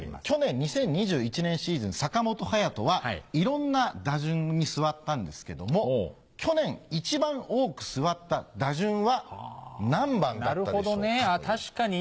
去年２０２１年シーズン坂本勇人はいろんな打順に座ったんですけども去年一番多く座った打順は何番だったでしょうか？